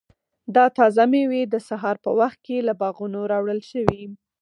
دا تازه مېوې د سهار په وخت کې له باغونو راوړل شوي.